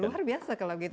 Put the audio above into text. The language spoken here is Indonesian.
luar biasa kalau begitu